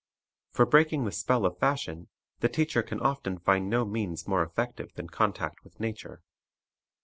For breaking the spell of fashion, the teacher can often find no means more effective than contact with nature.